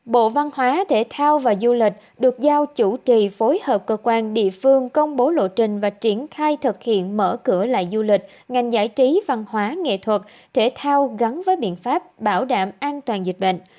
bộ văn hóa thể thao và du lịch được giao chủ trì phối hợp cơ quan địa phương công bố lộ trình và triển khai thực hiện mở cửa lại du lịch ngành giải trí văn hóa nghệ thuật thể thao gắn với biện pháp bảo đảm an toàn dịch bệnh